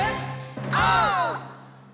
オー！